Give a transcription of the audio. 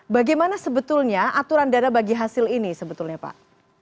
bagaimana sebetulnya aturan dana bagi hasil ini sebetulnya pak